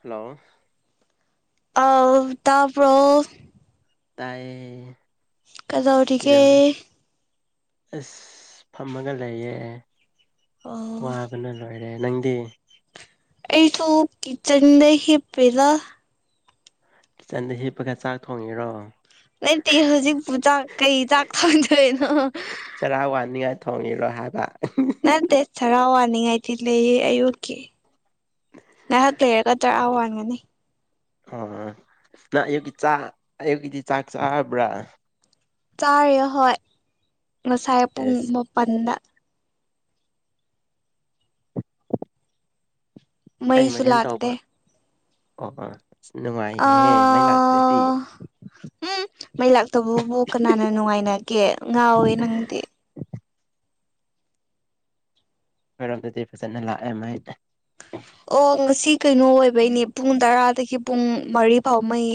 Hello ꯑꯥꯎ ꯇꯥꯄ꯭ꯔꯣ ꯇꯥꯏ ꯀꯩꯗꯧꯔꯦ ꯀꯗꯧꯔꯤꯒꯦ ꯑꯁ ꯐꯝꯃꯒ ꯂꯩꯌꯦ ꯑꯣ ꯋꯥꯕꯅ ꯂꯣꯏꯔꯦ ꯅꯪꯗꯤ ꯑꯩꯁꯨ ꯀꯤꯠꯆꯟꯗ ꯍꯤꯞꯄꯤꯗ ꯀꯤꯠꯆꯟꯗ ꯍꯤꯞꯄꯒ ꯆꯥꯛ ꯊꯣꯡꯉꯤꯔꯣ ꯂꯩꯇꯦ ꯍꯧꯖꯤꯛꯄꯨ ꯆꯥꯛ ꯀꯩ ꯆꯥꯛ ꯊꯣꯡꯗꯣꯏꯅꯣ ꯆꯔꯥ ꯋꯥꯅꯤꯡꯉꯥꯏ ꯊꯣꯡꯉꯤꯔꯣ ꯍꯥꯏꯕ ꯅꯠꯇꯦ ꯆꯔꯥ ꯋꯥꯅꯤꯡꯉꯥꯏꯗꯤ ꯂꯩꯌꯦ ꯑꯌꯨꯛꯀꯤ ꯉꯥꯏꯍꯥꯛ ꯂꯩꯔꯒ ꯆꯔꯥ ꯋꯥꯟꯒꯅꯤ ꯅꯪ ꯑꯌꯨꯛꯀꯤ ꯆꯥꯛ ꯑꯌꯨꯛꯀꯤꯗꯤ ꯆꯥꯛ ꯆꯥꯔꯕ꯭ꯔꯥ ꯆꯥꯔꯤ ꯍꯣꯏ ꯉꯁꯥꯏ ꯄꯨꯡ ꯑꯦꯁ ꯃꯥꯄꯜꯗ ꯀꯩ ꯃꯩꯁꯨ ꯃꯊꯦꯜ ꯂꯥꯛꯇꯦ ꯇꯧꯕ ꯑꯣ ꯑꯣ ꯑꯁ ꯅꯨꯡꯉꯥꯏꯔꯦꯍꯦ ꯃꯩ ꯂꯥꯛꯇ꯭ꯔꯗꯤ ꯑꯥ ꯎꯝ ꯃꯩ ꯂꯥꯛꯇꯕꯕꯨ ꯀꯅꯥꯅ ꯅꯨꯡꯉꯥꯏꯅꯒꯦ ꯉꯥꯎꯋꯦ ꯅꯪꯗꯤ ꯈꯣꯏꯔꯣꯝꯗꯗꯤ ꯐꯖꯅ ꯂꯥꯛꯑꯦ ꯃꯥꯏ ꯑꯣ ꯉꯁꯤ ꯀꯩꯅꯣ ꯑꯣꯏꯕꯩꯅꯦ ꯄꯨꯡ ꯇꯔꯥꯗꯒꯤ ꯄꯨꯡ ꯃꯔꯤ ꯐꯥꯎ ꯃꯩ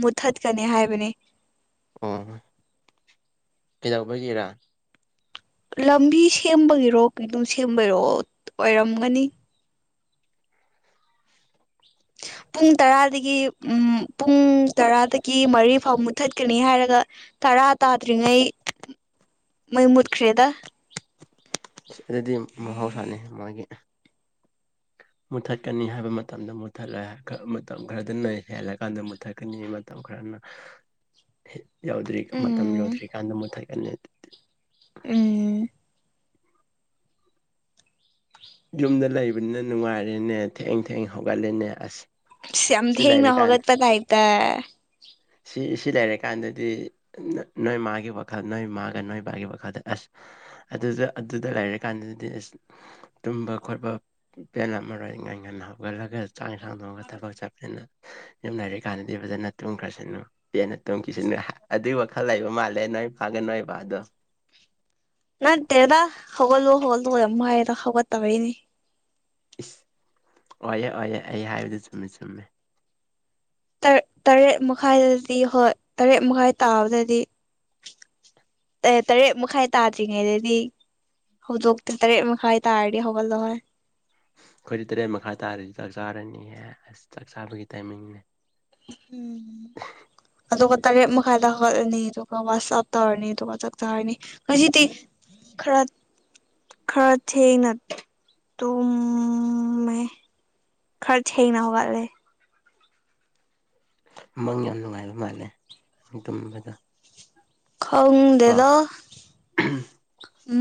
ꯃꯨꯠꯊꯠꯀꯅꯤ ꯍꯥꯏꯕꯅꯦ ꯑꯣ ꯀꯩꯗꯧꯕꯒꯤꯔꯥ ꯂꯝꯕꯤ ꯁꯦꯝꯕꯒꯤꯔꯣ ꯀꯩꯅꯣ ꯁꯦꯝꯕꯒꯤꯔꯣ ꯑꯣꯏꯔꯝꯒꯅꯤ ꯄꯨꯡ ꯇꯔꯥꯗꯒꯤ ꯎꯝ ꯄꯨꯡ ꯄꯨꯡ ꯇꯔꯥꯗꯒꯤ ꯃꯔꯤ ꯐꯥꯎ ꯃꯨꯊꯠꯀꯅꯤ ꯍꯥꯏꯔꯒ ꯇꯔꯥ ꯇꯥꯗ꯭ꯔꯤꯉꯩ ꯃꯩ ꯃꯨꯠꯈ꯭ꯔꯦꯗ ꯑꯗꯨꯗꯤ ꯃꯍꯧꯁꯥꯅꯤ ꯃꯣꯏꯒꯤ ꯃꯨꯠꯊꯠꯀꯅꯤ ꯍꯥꯏꯕ ꯃꯇꯝꯗ ꯃꯨꯠꯊꯠꯂꯦ ꯈ ꯃꯇꯝ ꯈꯔꯗꯅ ꯍꯦꯜꯂꯀꯥꯟꯗ ꯃꯨꯠꯊꯠꯀꯅꯤ ꯃꯇꯝ ꯈꯔꯥꯅ [inaudible] ꯌꯧꯗ꯭ꯔꯤ ꯃꯇꯝ ꯎꯝ ꯌꯧꯗ꯭ꯔꯤꯀꯥꯟꯗ ꯃꯨꯊꯠꯀꯅꯤ ꯎꯝ ꯌꯨꯝꯗ ꯂꯩꯕꯅꯤꯅ ꯅꯨꯡꯉꯥꯏꯔꯦꯅꯦ ꯊꯦꯡ ꯊꯦꯡ ꯍꯧꯒꯠꯂꯦꯅꯦ ꯑꯁ ꯁꯤꯁ ꯌꯥꯝ ꯁꯤ ꯊꯦꯡꯅ ꯂꯩꯔꯀꯥꯟ ꯍꯧꯒꯠꯄ ꯇꯥꯏꯞꯇ ꯁꯤꯁꯤ ꯂꯩꯔꯀꯥꯟꯗꯗꯤ ꯅꯣꯏ ꯃꯥꯒꯤ ꯋꯥꯈꯜ ꯅꯣꯏ ꯃꯥꯒ ꯅꯣꯏ ꯕꯥꯒꯤ ꯋꯥꯈꯜꯗ ꯑꯁ ꯑꯗꯨꯖꯨ ꯑꯗꯨꯗ ꯂꯩꯔꯀꯥꯟꯗꯗꯤ ꯑꯁ ꯇꯨꯝꯕ ꯈꯣꯠꯄ ꯄꯦꯜꯂꯝ ꯃꯔꯣꯏ ꯉꯟ ꯉꯟꯅ ꯍꯧꯒꯠꯂꯒ ꯆꯥꯛ ꯏꯟꯁꯥꯡ ꯊꯣꯡꯉꯒ ꯊꯕꯛ ꯆꯥꯠꯄꯅꯤꯅ ꯌꯨꯝ ꯂꯩꯥꯔꯤ ꯀꯥꯟꯗꯗꯤ ꯐꯖꯅ ꯇꯨꯝꯈ꯭ꯔꯁꯅꯨ ꯄꯦꯅ ꯇꯨꯝꯈꯤꯁꯅꯨ ꯑꯗꯨꯒꯤ ꯋꯥꯈꯜ ꯂꯩꯕ ꯃꯥꯜꯂꯦ ꯅꯣꯏꯄꯥꯒ ꯅꯣꯏꯕꯥꯗꯣ ꯅꯠꯇꯦꯗ ꯍꯧꯒꯠꯂꯣ-ꯍꯧꯒꯠꯂꯣ ꯌꯥꯝ ꯍꯥꯏꯌꯦꯗ ꯍꯧꯒꯠ ꯇꯕꯩꯅꯤ ꯏꯁ ꯑꯣꯏꯌꯦ-ꯑꯣꯏꯌꯦ ꯑꯩ ꯍꯥꯏꯕꯗꯨ ꯆꯨꯝꯃꯦ ꯆꯨꯝꯃꯦ ꯇꯔꯦꯠ ꯃꯈꯥꯏꯗꯗꯤ ꯍꯣꯏ ꯇꯔꯦꯠ ꯃꯈꯥꯏ ꯇꯥꯕꯗꯗꯤ ꯑꯦ ꯇꯔꯦꯠ ꯃꯈꯥꯏ ꯇꯥꯗ꯭ꯔꯤꯉꯩꯗꯗꯤ ꯍꯧꯗꯣꯛꯇꯦ ꯇꯔꯦꯠ ꯃꯈꯥꯏ ꯇꯥꯔꯗꯤ ꯍꯧꯒꯠꯂꯣ ꯍꯥꯏ ꯑꯩꯈꯣꯏꯗꯤ ꯇꯔꯦꯠ ꯃꯈꯥꯏ ꯇꯥꯔꯗꯤ ꯆꯥꯛ ꯆꯥꯔꯅꯤꯍꯦ ꯑꯁ ꯆꯥꯛ ꯆꯥꯕꯒꯤ ꯇꯥꯏꯃꯤꯡꯅꯦ ꯎꯝ ꯑꯗꯨꯒ ꯇꯔꯦꯠ ꯃꯈꯥꯏꯗ ꯍꯧꯒꯠꯂꯅꯤ ꯑꯗꯨꯒ ꯋꯥꯁ ꯑꯞ ꯇꯧꯔꯅꯤ ꯑꯗꯨꯒ ꯆꯥꯛ ꯆꯥꯔꯅꯤ ꯉꯁꯤꯗꯤ ꯈꯔ ꯈꯔ ꯊꯦꯡꯅ ꯇꯨꯝꯃꯦ ꯈꯔ ꯊꯦꯡꯅ ꯍꯧꯒꯠꯂꯦ ꯃꯪ ꯌꯥꯝ ꯅꯨꯡꯉꯥꯏꯕ ꯃꯥꯜꯂꯦ ꯇꯨꯝꯕꯗꯣ ꯀꯣ ꯈꯪꯗꯦꯗ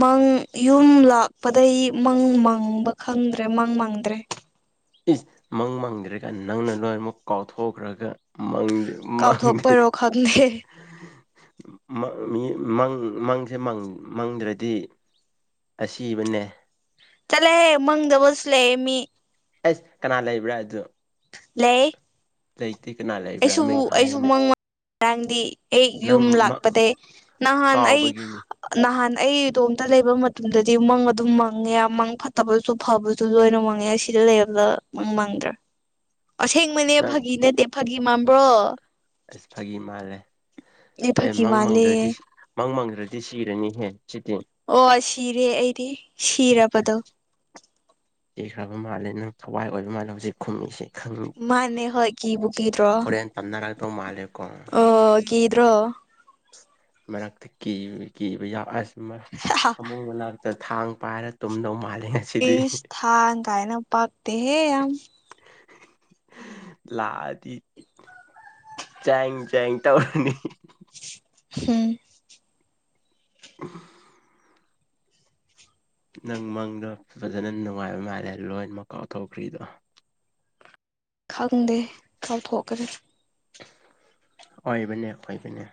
ꯃꯪ ꯌꯨꯝ ꯂꯥꯛꯄꯗꯩ ꯃꯪ ꯃꯪꯕ ꯈꯪꯗ꯭ꯔꯦ ꯃꯪ ꯃꯪꯗ꯭ꯔꯦ ꯏꯁ ꯃꯪ ꯃꯪꯗ꯭ꯔꯦꯒꯥꯏꯅ ꯅꯪꯅ ꯂꯣꯏꯅꯃꯨꯛ ꯀꯥꯎꯊꯣꯛꯈ꯭ꯔꯒ ꯃꯪꯗꯦ ꯃꯪꯗꯦ ꯀꯥꯎꯊꯣꯛꯄꯩꯔꯣ ꯈꯪꯗꯦ ꯃꯪ ꯃꯤ ꯃꯪ ꯃꯪꯖꯦ ꯃꯪ ꯃꯪꯗ꯭ꯔꯗꯤ ꯑꯁꯤꯕꯅꯦ ꯆꯠꯂꯣꯍꯦ ꯃꯪꯗꯕꯁꯨ ꯂꯩꯌꯦ ꯃꯤ ꯑꯁ ꯀꯅꯥ ꯂꯩꯕ꯭ꯔꯥ ꯑꯗꯨ ꯂꯩ ꯂꯩꯇꯦ ꯀꯅꯥ ꯂꯩꯕ꯭ꯔꯥ ꯑꯩꯁꯨ ꯃꯤꯡ ꯑꯩꯁꯨ ꯍꯥꯏꯌꯨꯅꯦ ꯃꯪ ꯉꯔꯥꯡꯗꯤ ꯑꯩ ꯅꯪ ꯌꯨꯝ ꯂꯥꯛꯄꯗꯩ ꯅꯍꯥꯟ ꯑꯩ ꯀꯥꯎꯕꯒꯤꯅꯤ ꯅꯍꯥꯟ ꯑꯩ ꯏꯇꯣꯝꯇ ꯂꯩꯕ ꯃꯇꯝꯗꯗꯤ ꯃꯪ ꯑꯗꯨꯝ ꯃꯪꯉꯦ ꯃꯪ ꯐꯠꯇꯕ ꯁꯨ ꯐꯕꯁꯨ ꯂꯣꯏꯅ ꯃꯪꯉꯦ ꯁꯤꯗ ꯂꯩꯔꯕꯗ ꯃꯪ ꯃꯪꯗ꯭ꯔꯦ ꯑꯁꯦꯡꯕꯅꯦ ꯅꯪ ꯐꯥꯒꯤ ꯅꯠꯇꯦ ꯐꯥꯒꯤ ꯃꯥꯟꯕ꯭ꯔꯣ ꯑꯁ ꯐꯥꯒꯤ ꯃꯥꯜꯂꯦ ꯑꯦ ꯐꯥꯒꯤ ꯃꯪ ꯃꯥꯜꯂꯦ ꯃꯪꯗ꯭ꯔꯗꯤ ꯃꯪ ꯃꯪꯗ꯭ꯔꯗꯤ ꯁꯤꯔꯅꯤꯍꯦ ꯁꯤꯇꯦ ꯑꯣ ꯁꯤꯔꯦ ꯑꯩꯗꯤ ꯁꯤꯔꯕꯗꯣ ꯆꯤꯈ꯭ꯔꯕ ꯃꯥꯜꯂꯦ ꯅꯪ ꯊꯋꯥꯏ ꯑꯣꯏꯕ ꯃꯥꯜꯂꯦ ꯍꯧꯖꯤꯛ ꯈꯨꯝꯃꯤꯁꯦ ꯈꯪ ꯃꯥꯅꯦ ꯍꯣꯏ ꯀꯤꯕꯨ ꯀꯤꯗ꯭ꯔꯣ ꯍꯣꯔꯦꯟ ꯇꯝꯅꯔꯛꯇꯧ ꯃꯥꯜꯂꯦꯀꯣ ꯑ ꯀꯤꯗ꯭ꯔꯣ ꯃꯔꯛꯇ ꯀꯤ ꯀꯤꯕ ꯌꯥꯎ ꯑꯁ ꯑꯃꯨꯛ ꯃꯅꯥꯛ ꯊꯥꯡ ꯄꯥꯏꯔ ꯇꯨꯝꯗꯧ ꯃꯥꯜꯂꯦꯉꯁꯤ ꯏꯁ ꯊꯥꯡ ꯀꯥꯏꯅ ꯄꯥꯛꯇꯦꯍꯦ ꯌꯥꯝ ꯍꯦ-ꯍꯤ-ꯍꯤ ꯂꯥꯛꯑꯗꯤ ꯆꯥꯏꯡ-ꯆꯦꯡ ꯇꯧꯔꯅꯤ ꯍꯨꯝ [inaudible] ꯅꯪ ꯃꯪꯗꯣ ꯐꯖꯅ ꯅꯨꯡꯉꯥꯏꯔ ꯃꯥꯜꯂꯦ ꯂꯣꯏꯅꯃꯛ ꯀꯥꯎꯊꯣꯛꯈ꯭ꯔꯤꯗꯣ ꯈꯪꯗꯦ ꯀꯥꯎꯊꯣꯛꯀꯔꯦ ꯑꯣꯏꯕꯅꯦ ꯑꯣꯏꯕꯅꯦ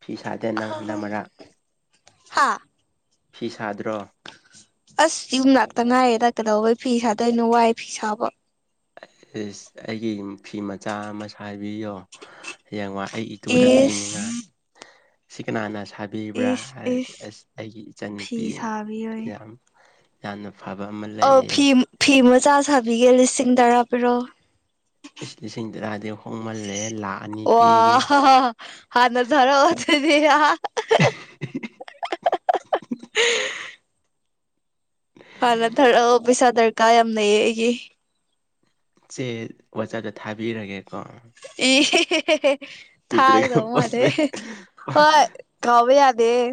ꯐꯤ ꯁꯥꯗꯦ ꯅꯪ ꯍꯟꯗꯛꯃꯔꯛ ꯍꯥ ꯐꯤ ꯁꯥꯗ꯭ꯔꯣ ꯑꯁ ꯌꯨꯝꯂꯥꯛꯇ ꯉꯥꯏꯔꯤꯗ ꯀꯩꯗꯧꯕꯩ ꯐꯤ ꯁꯥꯗꯣꯏꯅꯣ ꯋꯥꯏ ꯐꯤ ꯁꯕꯥ ꯑꯦꯁ ꯑꯩꯒꯤ ꯐꯤ ꯃꯆꯥ ꯑꯃ ꯁꯥ ꯍꯥꯟꯕꯤꯌꯣ ꯍꯌꯦꯡꯋꯥꯏ ꯑꯩ ꯏꯗꯨꯗ ꯏꯁ ꯄꯤꯅꯤꯡꯉꯥꯏ ꯁꯤ ꯀꯅꯥꯟ ꯁꯥ ꯄꯤꯕ꯭ꯔꯥ ꯏꯁ ꯍꯥꯏꯔꯗꯤ ꯏꯁ ꯑ꯭ꯁ ꯑꯩꯒꯤ ꯏꯆꯟꯅꯨꯄꯤ ꯐꯤ ꯁꯥꯕꯤꯌꯣꯌꯦ ꯌꯥꯝ ꯌꯥꯝꯅ ꯐꯕ ꯑꯃ [unintelligible] ꯑꫭ ꯐꯤ-ꯐꯤ ꯃꯆꯥ ꯁꯥꯕꯤꯒꯦ ꯂꯤꯁꯤꯡ ꯇꯔꯥ ꯄꯤꯔꯣ ꯏꯁ ꯂꯤꯁꯤꯡ ꯇꯔꯥꯗꯤ ꯍꯣꯡꯃꯜꯂꯦ ꯂꯥꯛ ꯑꯅꯤ ꯑꫭꯋꯥ ꯄꯤꯒꯦ ꯍꯥ-ꯍꯥ ꯐꯥꯅ ꯊꯔꯛꯑꫭ ꯍꯤ-ꯍꯤ-ꯍꯥ-ꯍꯥꯥ ꯍꯥꯟꯅ ꯊꯥꯔꯛꯑꯣ ꯄꯩꯁꯥ ꯗꯔꯀꯥ ꯌꯥꯝ ꯂꯩꯑꯦ ꯑꯩꯒꯤ ꯁꯦ ꯋꯥꯆꯞꯇ ꯊꯥꯕꯤꯔꯒꯦꯀꯣ ꯏ-ꯍꯤ-ꯍꯤ-ꯍꯤ-ꯍꯦ ꯅꯠꯇ꯭ꯔꯒ ꯊꯥꯒꯗꯧ ꯃꯥꯜꯂꯦ ꯄꯣꯁꯃꯦꯟ ꯍꯦ-ꯍꯦ ꯍꯣꯏ ꯀꯧꯕꯌꯗꯦ ꯍꯦ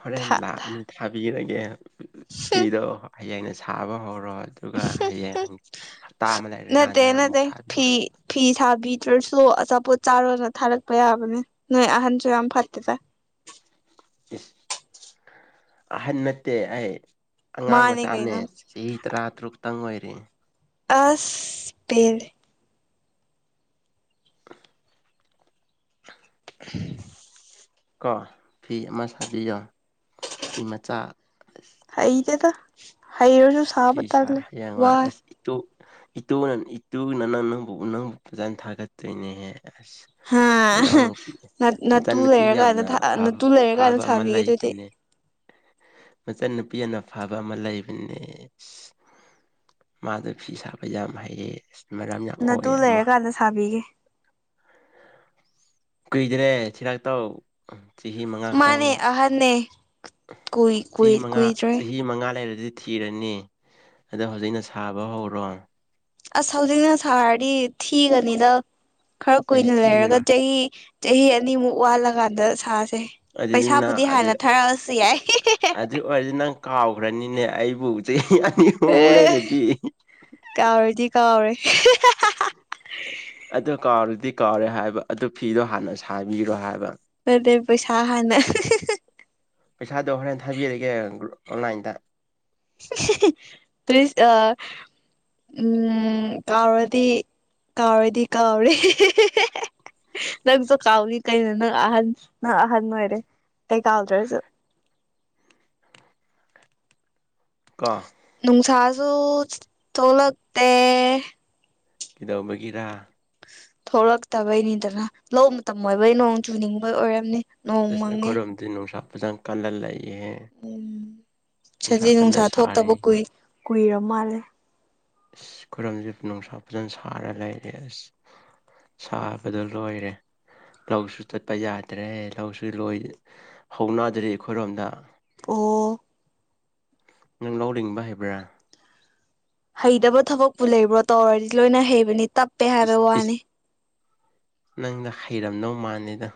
ꯍꯣꯔꯦꯟ ꯂꯥꯛꯑꯅꯤ ꯊꯥꯕꯤꯔꯒꯦ ꯐꯤꯗꯣ ꯍꯩꯌꯦꯡ ꯁꯥꯕ ꯍꯧꯔꯣ ꯑꯗꯨꯒ ꯍꯌꯦꯡ ꯍꯞꯇ ꯑꯃ ꯅꯠꯇꯦ ꯂꯩꯔꯀꯥꯟꯗ ꯑꯃꯨꯛ ꯅꯠꯇꯦ ꯐꯤ ꯊꯥꯕꯤꯔꯣ ꯐꯤ ꯁꯥꯕꯤꯗ꯭ꯔꯁꯨ ꯑꯆꯥꯄꯣꯠ ꯆꯥꯔꯣꯅ ꯊꯥꯔꯛꯄ ꯌꯥꯕꯅꯦ ꯅꯣꯏ ꯑꯍꯟꯁꯨ ꯌꯥꯝ ꯐꯠꯇꯦꯗ ꯏ꯭ꯁ ꯑꯍꯟ ꯅꯠꯇꯦ ꯑꯩ ꯑꯉꯥꯡ ꯃꯥꯅꯦ ꯃꯆꯥꯅꯦ ꯀꯩꯅꯣ ꯆꯍꯤ ꯇꯔꯥ ꯇꯔꯨꯛꯇꯪ ꯑꯣꯏꯔꯦ ꯑꯁ ꯄꯦꯜꯂꯦ inaudible ꯀꯣ ꯐꯤ ꯑꯃ ꯁꯥꯕꯤꯌꯣ ꯐꯤ ꯃꯆꯥ ꯑꯁ ꯍꯩꯇꯦꯗ ꯍꯩꯔꯁꯨ ꯁꯥꯕ ꯇꯂ ꯋꯥ ꯏꯇꯨ-ꯏꯇꯨꯅ-ꯍꯇꯨꯅ ꯅꯪꯕꯨ-ꯅꯪꯕꯨ ꯐꯖꯅ ꯊꯥꯒꯠꯇꯔꯦꯅꯦꯍꯦ ꯑ꯭ꯁ ꯍꯥꯥ ꯃꯅꯥꯎꯅꯨꯄꯤ ꯃꯆꯥꯟꯅꯨꯄꯤ ꯌꯥꯝꯅꯕ ꯅꯥꯇꯨ ꯂꯩꯔꯀꯥꯟꯗ ꯐꯥꯕ-ꯐꯥꯕ ꯑꯃ ꯁꯥꯕꯤꯒꯦ ꯑꯗꯨꯗꯤ ꯂꯩꯕꯅꯦ ꯃꯆꯟꯅꯨꯄꯤ ꯑꯅ ꯐꯥꯕ ꯑꯃ ꯂꯩꯕꯅꯦ ꯑꯦ ꯁꯤ ꯃꯥꯗꯣ ꯐꯤ ꯁꯥꯕ ꯌꯥꯝ ꯍꯩꯌꯦ ꯁ ꯃꯔꯝ ꯌꯥꯝ ꯅꯇꯨ ꯃꫭꯛꯑ ꯑꯃ ꯂꯩꯔꯀꯥꯟꯗ ꯁꯥꯕꯤꯒꯦ ꯀꯨꯏꯗꯔꯦ ꯊꯤꯔꯛꯇꯧ ꯆꯍꯤ ꯃꯉꯥ ꯈꯇꯪ ꯑꯍꯅꯦ ꯆꯍꯤ ꯃꯉꯥ ꯆꯍꯤ ꯆꯍꯤ ꯃꯉꯥ ꯂꯩꯔꯗꯤ ꯊꯤꯔꯅꯤ ꯑꯗꯣ ꯍꯧꯖꯤꯛꯅ ꯁꯥꯕ ꯍꯧꯔꯣ ꯑꯁ ꯍꯧꯖꯤꯛꯅ ꯁꯥꯔꯗꯤ ꯊꯤꯒꯅꯤꯗ ꯈꯔ ꯑꯩꯁ ꯀꯨꯏꯅ ꯂꯩꯔꯒ ꯊꯤꯔꯣꯏ ꯆꯍꯤ ꯆꯍꯤ ꯑꯅꯤꯃꯨꯛ ꯋꯥꯜꯂꯀꯥꯟꯗ ꯁꯥꯁꯦ ꯑꯗꯨꯗꯤ ꯅꯪ ꯄꯩꯁꯥꯕꯨꯗꯤ ꯍꯥꯟꯅ ꯊꯥꯔꯛꯑꯁꯨ ꯌꯥꯏ ꯍꯦ-ꯍꯦ-ꯍꯦ ꯗ꯭ꯋꯤꯗꯤ ꯅꯪ ꯀꯥꯎꯈ꯭ꯔꯅꯤꯅꯦ ꯑꯩꯕꯨ ꯆꯍꯤ ꯑꯅꯤ ꯑꯃꯨꯛ ꯑꯦ ꯂꯩꯔꯗꯤ unintelligible ꯀꯥꯎꯔꯗꯤ ꯀꯥꯎꯔꯦ ꯑꯗꯨ ꯀꯥꯎꯔꯗꯤ ꯀꯥꯎꯔꯦ ꯍꯥꯏꯕ ꯑꯗꯨ ꯐꯤꯗꯣ ꯍꯥꯟꯅ ꯁꯥꯕꯤꯔꯣ ꯍꯥꯏꯕ ꯅꯠꯇꯦ ꯄꯩꯁꯥ ꯍꯅ ꯄꯩꯁꯥꯗꯣ ꯍꯣꯔꯦꯟ ꯊꯥꯕꯤꯔꯒꯦ ꯑꯣꯟꯂꯥꯏꯟꯗ ꯍꯦ-ꯍꯦ ꯄꯜꯑꯤꯁ ꯑꯥ ꯎꯝ ꯀꯥꯎꯔꯗꯤ ꯀꯥꯎꯔꯦꯗꯤ ꯀꯥꯎꯔꯦ ꯅꯪꯁꯨ ꯀꯥꯎꯅꯤ ꯀꯩꯅꯣ ꯅꯪ ꯑꯍꯟ ꯅꯪ ꯑꯍꯟ ꯑꯣꯏꯔꯦ ꯀꯩ ꯀꯥꯎꯗ꯭ꯔꯁꯨ ꯀꯣ ꯅꯨꯡꯁꯥꯖꯨ ꯊꯣꯛꯂꯛꯇꯦ ꯀꯩꯗꯧꯕꯒꯤꯔ ꯊꯣꯛꯂꯛꯇꯕꯩꯅꯤꯗꯅ ꯂꯧ ꯃꯇꯝ ꯑꯣꯏꯕꯩ ꯅꯣꯡ ꯆꯨꯅꯤꯡꯕꯩ ꯑꯣꯏꯔꯝꯅꯤ ꯅꯣꯡ ꯑꯁ ꯃꯪꯉꯦ ꯑꯩꯈꯣꯏꯔꯣꯝꯗꯤ ꯅꯨꯡꯁꯥ ꯐꯖꯅ ꯀꯜꯂꯂꯩꯍꯦ ꯎꯝ ꯁꯖꯤ ꯅꯨꯡꯁꯥ ꯁꯥꯔꯤ ꯊꯣꯛꯇꯕ ꯀꯏ ꯀꯨꯏꯔ ꯃꯥꯜꯂꯦ ꯑꯁ ꯈꯨꯔꯨꯝꯁꯦ ꯅꯨꯡꯁꯥ ꯐꯖꯅ ꯁꯥꯔ ꯂꯩꯔꯦ ꯑꯁ ꯁꯥꯕꯗ ꯂꯣꯏꯔꯦ ꯂꯧꯁꯨ ꯆꯠꯄ ꯌꯥꯗ꯭ꯔꯦ ꯂꯧꯁꯤ ꯂꯣꯏ ꯍꯧꯅꯗ꯭ꯔꯤ ꯑꯩꯈꯣꯏꯔꯣꯝꯗ ꯑꯣ ꯅꯝ ꯂꯧꯅꯤꯡꯕ ꯍꯥꯏꯕ꯭ꯔꯥ ꯍꯩꯇꯕ ꯊꯕꯛꯄꯨ ꯂꯩꯕ꯭ꯔꯣ ꯇꯧꯔꯗꯤ ꯂꯣꯏꯅ ꯍꯩꯕꯅꯤ ꯇꯞ ꯅꯪꯗ ꯍꯩꯔꯝꯗꯧ ꯃꯥꯂꯦꯗ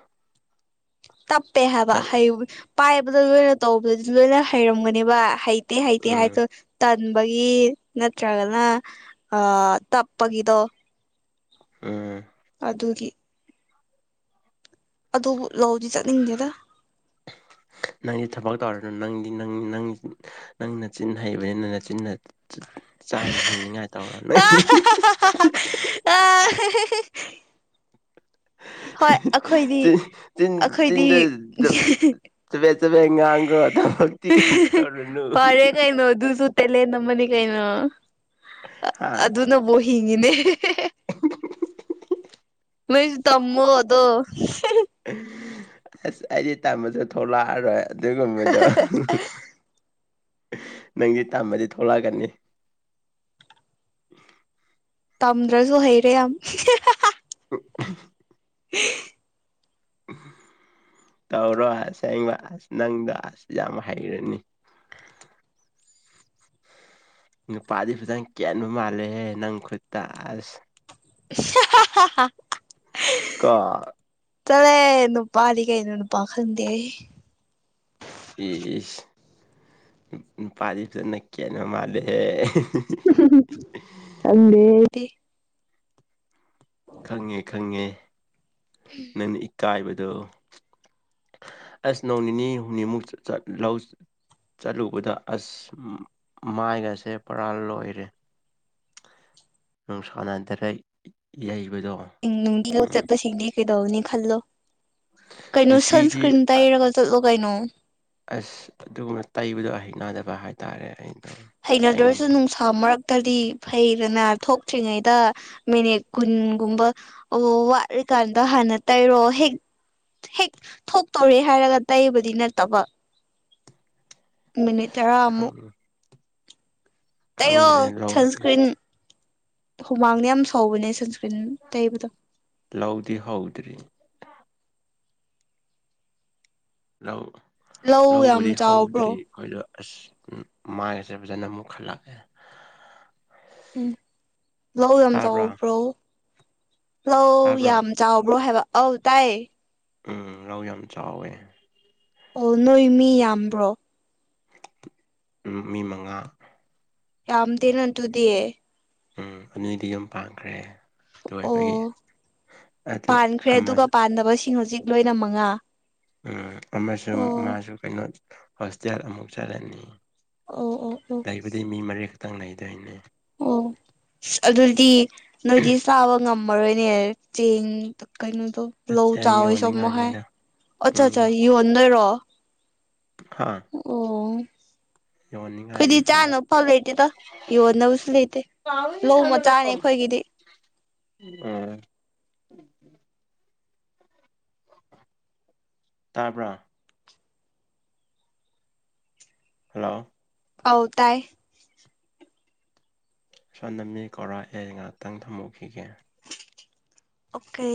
ꯇꯞꯄꯦ ꯍꯥꯏꯕ ꯍꯩ ꯄꯥꯏꯕꯗ ꯂꯣꯏꯅ ꯇꯧꯕꯗꯗꯤ ꯂꯣꯏꯅ ꯍꯩꯔꯝꯒꯅꯦꯕ ꯍꯩ ꯍꯥꯏꯗꯤ ꯍꯥꯏ ꯎꯝ ꯆ ꯇꯟꯕꯒꯤ ꯅꯠꯇ꯭ꯔꯒꯅ ꯇꯞꯄꯒꯤꯗꯣ ꯎꯝ ꯑꯗꯨꯒꯤ ꯑꯗꯨꯕꯨ ꯂꯧꯗꯤ ꯆꯠꯅꯤꯡꯗꯦꯗ [inaudible] ꯅꯪꯗꯤ ꯊꯕꯛ ꯇꯧꯔꯅ ꯅꯪꯗꯤ ꯅ ꯅꯪ ꯅꯪ ꯅꯆꯤꯟꯅ ꯍꯩꯕꯅꯤ ꯅꯪ ꯅꯆꯤꯟꯅ ꯆꯥꯅ ꯍꯤꯡꯅꯤꯉꯥꯏ ꯇꯧꯔ ꯅꯣꯏ ꯑ ꯍꯣꯏ ꯑꯩꯈꯣꯏꯗꯤ ꯆꯤꯟ ꯑꯩꯈꯣꯏꯗꯤ ꯆꯕꯦꯡ ꯆꯕꯦꯡ ꯐꯔꯦ ꯀꯩꯅꯣꯑꯗꯨꯨꯁꯨ ꯇꯦꯂꯦꯟ ꯑꯃꯅꯤ ꯀꯩꯅꯣ ꯍꯥ ꯑꯗꯨꯅꯕꯨ ꯍꯤꯡꯉꯤꯅꯦ ꯅꯣꯏꯁꯨ ꯇꯃꯨ ꯑꯗꯣ ꯑꯁ ꯑꯩꯗꯤ ꯇꯝꯃꯖꯨ ꯊꯣꯛꯂꯛꯑꯔꯣꯏ ꯑꯗꯨꯒꯨꯝꯕꯗꯣ ꯅꯪꯒꯤ ꯇꯝꯃꯗꯤ ꯊꯣꯛꯂꯛꯀꯅꯤ ꯇꯝꯗ꯭ꯔꯁꯨ ꯍꯩꯔꯦ ꯌꯥꯝ [inaudible] [inaudible] ꯇꯧꯔꯣ ꯑꯁ ꯍꯕ ꯑꯁ ꯅꯪꯗꯣ ꯑꯁ ꯌꯥꯝ ꯍꯩꯔꯅꯤ ꯅꯨꯄꯥꯗꯤ ꯐꯖꯅ ꯀꯦꯟꯕ ꯃꯥꯜꯂꯦꯍꯦ ꯅꯪ ꯈꯨꯠꯇ ꯑꯁ [inaudible] ꯀꯥ ꯆꯠꯂꯥꯍꯦ ꯅꯨꯄꯥꯗꯤ ꯀꯩꯅꯣ ꯅꯨꯄꯥ ꯈꯪꯗꯦꯍꯦ ꯏꯁ ꯅꯨꯄꯥꯥꯗꯤ ꯐꯖꯅ ꯀꯦꯟꯕꯥ ꯃꯥꯜꯂꯦꯍꯦ [inaudible] ꯈꯪꯗꯦ ꯑꯩꯗꯤ ꯈꯪꯉꯦ ꯈꯪꯉꯦ ꯅꯪꯅ ꯏꯀꯥꯏꯕꯗꯣ ꯑꯁ ꯅꯣꯡ ꯅꯤꯅꯤ ꯍꯨꯃꯅꯤ ꯃꯨꯛ ꯆꯠ ꯂꯧ ꯆꯠꯂꯨꯕꯗ ꯑꯁ ꯃꯥꯏꯒꯁꯦ ꯄꯨꯔꯥ ꯂꯣꯏꯔꯦ ꯅꯨꯡꯁꯥꯟꯅ ꯗꯥꯢꯔꯦꯛ ꯌꯩꯕꯗꯣ ꯅꯨꯪꯊꯤꯜ ꯆꯠꯄꯁꯤꯡꯗꯤ ꯀꯩꯗꯧꯅꯤ ꯈꯜꯂꯣ ꯀꯩꯅꯣ ꯅꯨꯄꯤꯗꯤ ꯁꯟꯁꯀ꯭ꯔꯤꯟ ꯇꯩꯔꯒ ꯆꯠꯂꯣ ꯀꯩꯅꯣ ꯑꯁ ꯑꯗꯨꯒꯨꯝꯅ ꯇꯩꯕꯗꯣ ꯍꯩꯩꯅꯗꯕ ꯍꯥꯏꯇꯥꯔꯦ ꯑꯩꯅ ꯍꯩꯅꯗ꯭ꯔꯔꯁꯨ ꯅꯨꯡꯁꯥ ꯥ ꯃꯔꯛꯇꯗꯤ ꯐꯩꯗꯅ ꯊꯣꯛꯇ꯭ꯔꯤꯉꯩꯗ ꯃꯤꯅꯤꯠ ꯀꯨꯟꯒꯨꯝꯕ ꯑꯣ ꯋꯥꯔꯀꯥꯟꯗ ꯍꯅ ꯇꯔꯣꯑꯣ ꯍꯦꯛ ꯍꯦꯛ ꯊꯣꯛꯇꯧꯔꯦ ꯍꯥꯏꯔꯒ ꯇꯩꯕꯗꯤ ꯅꯠꯇꯕ ꯃꯤꯅꯤꯠ ꯇꯔꯥ ꯑꯃ ꯑꯃꯨꯛ ꯈꯪ ꯇꯩꯌꯣ ꯈꯪꯗ꯭ꯔꯦ ꯂꯧꯗꯤ ꯁꯟꯁꯀ꯭ꯔꯤꯟ ꯍꯨꯃꯥꯡꯗ ꯌꯥꯝ ꯁꯕꯅꯦ ꯁꯟꯁꯀ꯭ꯔꯤꯟ ꯇꯩꯕꯗꯣ ꯂꯧꯗꯤ ꯍꯧꯗ꯭ꯔꯤ ꯂꯧ ꯂꯧ ꯌꯥꯝ ꯂꯧꯕꯗꯤ ꯆꯥꯎꯕ꯭ꯔꯣ ꯍꯧꯗ꯭ꯔꯤ ꯑꯩꯈꯣꯏꯗꯣ ꯑꯁ ꯎ ꯃꯥꯏꯉꯁꯦ ꯐꯖꯅ ꯑꯃꯨꯛ ꯈꯜꯂꯛꯑꯦ ꯎꯝ ꯂꯧ ꯌꯥꯝ ꯇꯥꯕ꯭ꯔꯥ ꯆꯥꯎꯎꯕ꯭ꯔꯣ ꯍꯂꯧ ꯇꯥꯕ꯭ꯔꯣ ꯌꯥꯝ ꯆꯥꯎꯕ꯭ꯔꯣ ꯍꯥꯏꯕ ꯑꯧ ꯇꯥꯏ ꯎꯝ ꯔꯧ ꯌꯥꯝ ꯆꯥꯎꯋꯦ ꯑꯣ ꯅꯣꯏ ꯃꯤ ꯌꯥꯝꯕ꯭ꯔꯣ ꯃꯤ ꯃꯉꯥ ꯌꯥꯝꯗꯦꯅ ꯑꯗꯨꯗꯤꯌꯦ ꯎꯝ ꯑꯗꯨꯏꯗꯤ ꯌꯥꯝ ꯄꯥꯡꯈ꯭ꯔꯦ ꯑꯣ ꯑꯗꯨ ꯄꯥꯟꯈ꯭ꯔꯦ ꯑꯗꯨꯒ ꯑꯃꯁꯨ ꯄꯥꯟꯗꯕꯁꯤꯡ ꯍꯧꯖꯤꯛ ꯂꯣꯏꯅ ꯃꯉꯥ ꯎꯝ ꯑꯃꯁꯨꯡ ꯑꯣ ꯃꯥꯁꯨ ꯀꯩꯅꯣ ꯍꯣꯁꯇꯦꯜ ꯑꯃꯨꯛ ꯆꯠꯂꯅꯤ ꯑꯣ ꯑꯣ ꯂꯩꯕꯗꯤ ꯃꯤ ꯃꯔꯤ ꯈꯛꯇꯪ ꯂꯩꯗꯣꯏꯅꯦ ꯑꯣ ꯑ ꯑꯗꯨꯗꯤ ꯅꯣꯏꯗꯤ ꯆꯥꯕ ꯉꯝꯃꯔꯣꯏꯅꯦ ꯆꯦꯡ ꯀꯩꯅꯣꯗꯣ ꯂꯧ ꯆꯦꯡ ꯆꯥꯎ ꯃ ꯍꯥꯏ ꯌꯣꯟꯅꯤꯡꯉꯥꯏꯅꯤꯗ ꯑꯆꯥ ꯑꯆꯥ ꯎꯝ ꯌꯣꯠ ꯅꯣꯏꯔꯣ ꯍꯥ ꯑꯣ ꯌꯣꯟꯅꯤꯡꯉꯥꯏꯅꯤ ꯑꯈꯣꯏꯗꯤ ꯆꯥꯅ ꯐꯥꯎꯂ ꯂꯩꯇꯦꯇ ꯌꯣꯟꯅꯕꯁꯨ ꯂꯩꯇꯦ ꯂꯧ ꯃꯆꯥꯅꯦ ꯎꯝ ꯑꯩꯈꯣꯏꯒꯤꯗꯤ꯫ ꯎꯝ ꯇꯥꯕꯔꯥ ꯍꯜꯂꯣ ꯑꯧ ꯇꯥꯏ ꯁꯣꯅꯅꯤ ꯀꯧꯔꯥ ꯑꯦ ꯉꯥꯏꯍꯥꯛꯇꯪ ꯊꯝꯃꯧꯈꯤꯒꯦ꯫ ꯑꯣꯀꯦ꯫